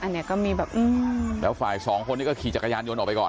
อันนี้ก็มีแบบอืมแล้วฝ่ายสองคนนี้ก็ขี่จักรยานยนต์ออกไปก่อน